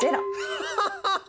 ハハハハハ！